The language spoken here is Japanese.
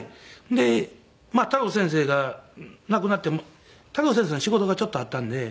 でまあ太郎先生が亡くなって太郎先生の仕事がちょっとあったんで。